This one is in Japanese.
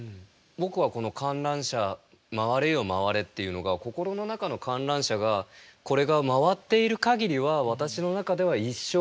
僕はこの「観覧車回れよ回れ」っていうのが心の中の観覧車がこれが回っている限りは私の中では一生。